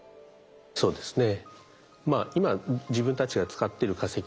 そうですね。